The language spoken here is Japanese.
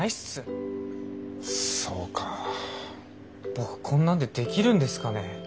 僕こんなんでできるんですかね？